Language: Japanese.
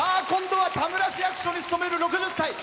今度は田村市市役所に勤める６０歳。